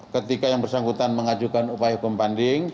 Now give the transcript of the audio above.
ketika yang bersangkutan mengajukan upaya hukum banding